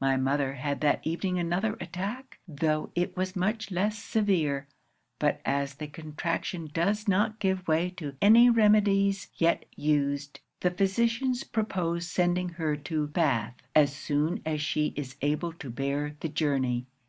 My mother had that evening another attack; tho' it was much less severe. But as the contraction does not give way to any remedies yet used, the physicians propose sending her to Bath as soon as she is able to bear the journey.